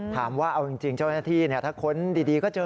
ถามว่าเอาจริงเจ้าหน้าที่ถ้าค้นดีก็เจอ